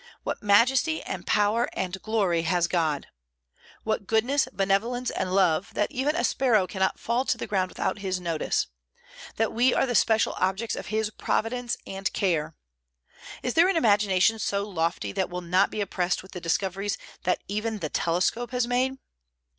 What majesty and power and glory has God! What goodness, benevolence, and love, that even a sparrow cannot fall to the ground without His notice, that we are the special objects of His providence and care! Is there an imagination so lofty that will not be oppressed with the discoveries that even the telescope has made?